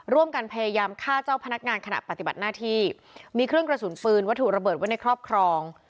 ร่วมกันพยายามฆ่าเจ้าพนักงานขณะปฏิบัติหน้าที่มีเครื่องกระสุนปืนวัตถุระเบิดไว้ในครอบครอง